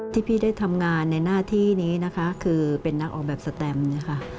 ที่พี่ได้ทำงานในหน้าที่นี้นะคะคือเป็นนักออกแบบสแตมนะคะ